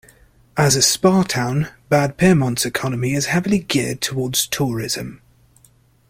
As a spa town, Bad Pyrmont's economy is heavily geared towards tourism.